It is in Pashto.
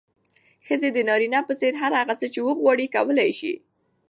ښځې د نارينه په څېر هر هغه څه چې وغواړي، کولی يې شي.